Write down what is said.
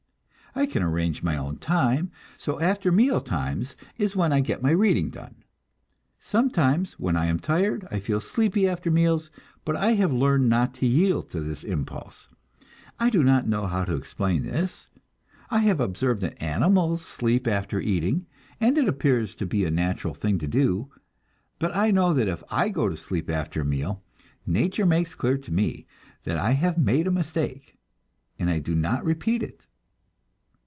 I can arrange my own time, so after meal times is when I get my reading done. Sometimes, when I am tired, I feel sleepy after meals, but I have learned not to yield to this impulse. I do not know how to explain this; I have observed that animals sleep after eating, and it appears to be a natural thing to do; but I know that if I go to sleep after a meal, nature makes clear to me that I have made a mistake, and I do not repeat it.